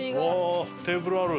テーブルある！